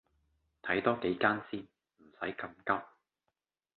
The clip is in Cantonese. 睇多幾間先，唔洗咁急